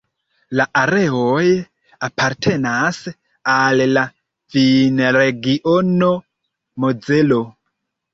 La areoj apartenas al la vinregiono Mozelo.